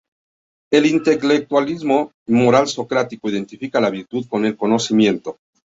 El intelectualismo moral socrático identifica la virtud con el conocimiento.